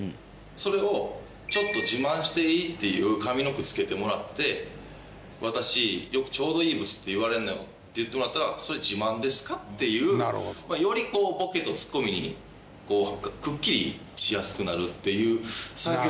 それを「ちょっと自慢していい？」っていう上の句つけてもらって「私よくちょうどいいブスって言われるのよ」って言ってもらったら「それ自慢ですか？」っていうよりボケとツッコミにこうくっきりしやすくなるっていう作業からしていった感じですね。